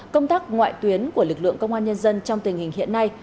công tác ngoại tuyến của lực lượng công an nhân dân trong tình hình hiện nay